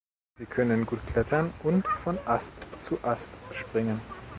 Sie können gut klettern und von Ast zu Ast springen.